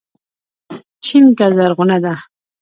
چينکه زرغونه ده